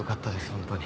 本当に。